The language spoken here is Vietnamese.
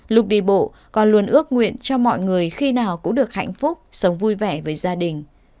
lúc đi bộ con luôn ước nguyện cho mọi người khi nào cũng được hạnh phúc sống vui vẻ với gia đình